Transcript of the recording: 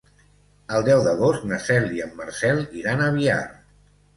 El deu d'agost na Cel i en Marcel iran a Biar.